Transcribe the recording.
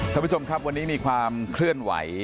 ท่านผู้ชมครับวันนี้มีความเคลื่อนไหว